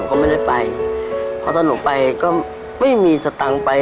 ก็ไม่ได้ไปพอถ้าหนูไปก็ไม่มีสตังค์ไป